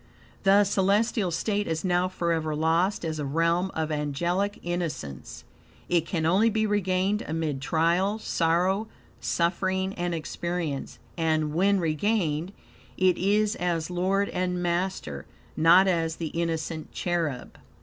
The celestial state is now forever lost as a realm of angelic innocence. It can only be regained amid trial, sorrow, suffering, and experience, and, when regained, it is as Lord and Master, not as the innocent cherub.